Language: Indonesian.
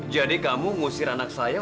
jadi kamu ngusir anak saya